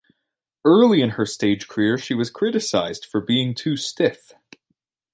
Early in her stage career, she was criticised for being too stiff.